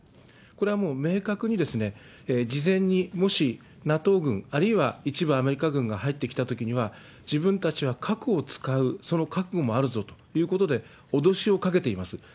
これはもう明確に、事前にもしＮＡＴＯ軍、あるいは一部アメリカ軍が入ってきたときには、自分たちは核を使う、その核もあるぞということで脅しをかけています。